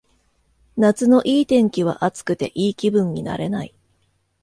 夏のいい天気は暑くていい気分になれない